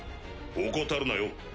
怠るなよ。